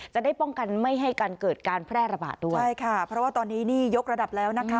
ใช่ค่ะเพราะว่าตอนนี้นี่ยกระดับแล้วนะคะ